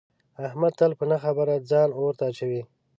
احمد تل په نه خبره ځان اور ته اچوي.